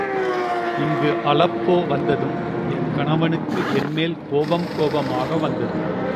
இங்கு அலெப்போ வந்ததும், என் கணவனுக்கு என் மேல் கோபம் கோபமாக வந்தது.